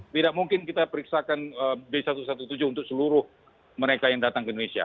tidak mungkin kita periksakan b satu ratus tujuh belas untuk seluruh mereka yang datang ke indonesia